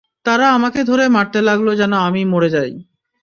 তারা আমাকে ধরে মারতে লাগল যেন আমি মরে যাই।